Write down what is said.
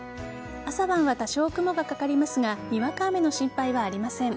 朝晩は多少、雲がかかりますがにわか雨の心配はありません。